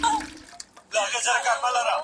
املا د پښتو ادب په پوهېدو کي یوه کلۍ ده.